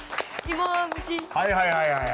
はいはいはいはい。